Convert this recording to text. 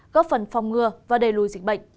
góp phần phòng ngừa và đầy lùi dịch bệnh